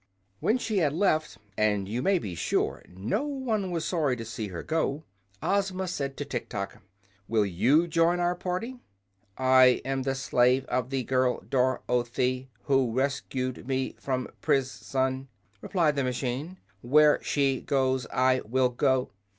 When she had left them (and you may be sure no one was sorry to see her go) Ozma said to Tiktok: "Will you join our party?" "I am the slave of the girl Dor oth y, who rescued me from pris on," replied the machine. "Where she goes I will go."